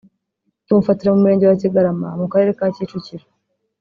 tumufatira mu Murenge wa Kigarama mu Karere ka Kicukiro